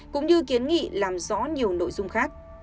cũng như kiến nghị làm rõ nhiều nội dung khác